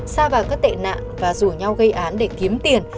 xa vào các tệ nạn và rủ nhau gây án để kiếm tiền